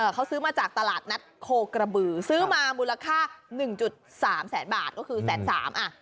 เขาซื้อมาจากตลาดนัดโคกระบือซื้อมามูลค่า๑๓แสนบาทก็คือแสนสามอ่ะ